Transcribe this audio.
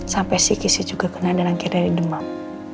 sampai si kisih juga kena dan akhirnya di demam